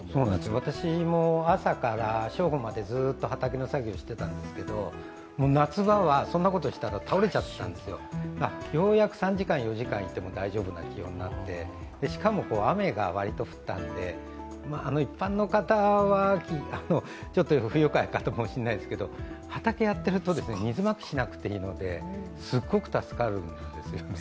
私も朝から正午までずっと畑の作業をしていたんですが夏場はそんなことしたら倒れちゃってたんですよ、ようやく３時間、４時間いても大丈夫な気温になって、しかも、雨が割と降ったので、一般の方はちょっと不愉快かもしれないですけど畑をやっていると、水まきしなくていいのですごく助かるんですよね。